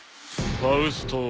ファウス島。